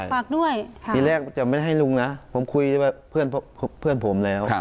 ฝากด้วยค่ะครี่แรกจะไม่ให้ลุงนะผมคุยกับเพื่อนเพื่อนผมแล้ว